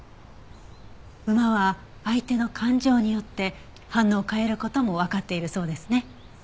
馬は相手の感情によって反応を変える事もわかっているそうですね。